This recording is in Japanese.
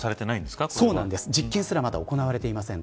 実験すらまだ行われていません。